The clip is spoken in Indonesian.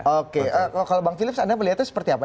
oke kalau bang philips anda melihatnya seperti apa